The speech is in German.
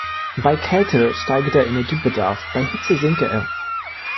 Bei Kälte steige der Energiebedarf, bei Hitze sinke er.